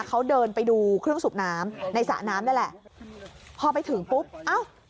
เขาเดินไปดูเครื่องสูบน้ำในสระน้ำนั่นแหละพอไปถึงปุ๊บเอ้า